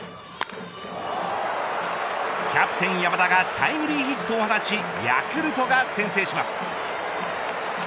キャプテン山田がタイムリーヒットを放ちヤクルトが先制します。